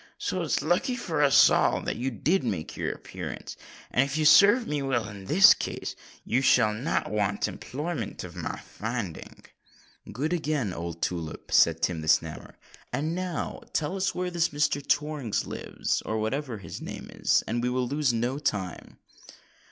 So it's lucky for us all that you did make your appearance; and if you serve me well in this case, you shall not want employment of my finding." "Good again, old tulip," said Tim the Snammer; "and now tell us where this Mr. Torrings lives—or whatever his name is—and we will lose no time."